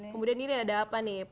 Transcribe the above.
kemudian ini ada apa nih